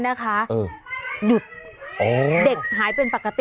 หายไปเป็นปกติ